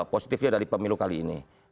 positifnya dari pemilu kali ini